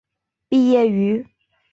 毕业于。